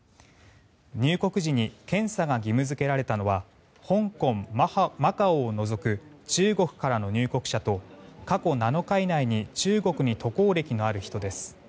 入国時に検査が義務付けられたのは香港、マカオを除く中国からの入国者と過去７日以内に中国に渡航歴のある人です。